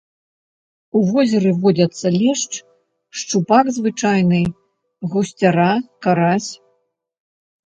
У возеры водзяцца лешч, шчупак звычайны, гусцяра, карась.